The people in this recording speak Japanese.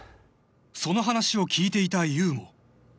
［その話を聞いていた優も］